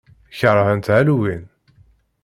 Keṛhent Halloween.